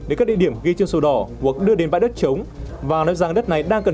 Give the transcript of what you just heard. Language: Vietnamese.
đến các địa điểm ghi trên sổ đỏ hoặc đưa đến bãi đất chống và nói rằng đất này đang cần